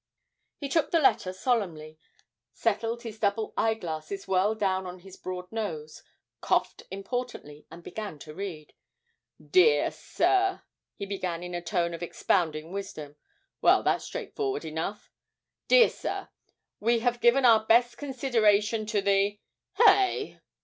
He took the letter, solemnly settled his double eyeglasses well down on his broad nose, coughed importantly, and began to read: 'Dear Sir,' he began in a tone of expounding wisdom 'well, that's straightforward enough Dear Sir, we have given our best consideration to the hey!'